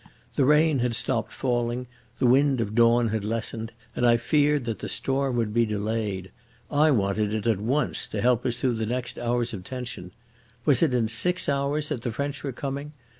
The rain had stopped falling, the wind of dawn had lessened, and I feared that the storm would be delayed. I wanted it at once to help us through the next hours of tension. Was it in six hours that the French were coming?